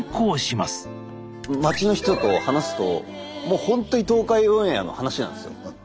まちの人と話すともうほんとに東海オンエアの話なんですよ。